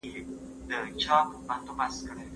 زموږ ماشومانو ته باید کتابونه په پښتو ورکړل سي.